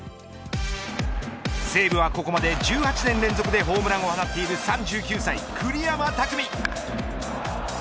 西武はここまで１８年連続でホームランを放っている３９歳、栗山巧。